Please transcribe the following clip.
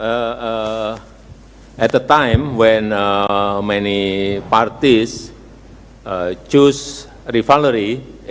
pada saat banyak partai memilih untuk menjalankan pemerintahan